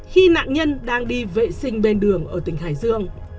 khi nạn nhân đang đi vệ sinh bên đường ở tỉnh hải dương